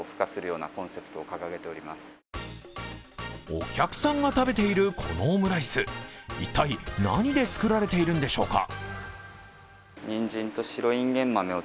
お客さんが食べているこのオムライス、一体、何で作られているんでしょうか？